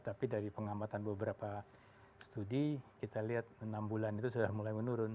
tapi dari pengamatan beberapa studi kita lihat enam bulan itu sudah mulai menurun